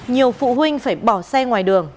nhiều phụ huynh phải bỏ xe ngoài đường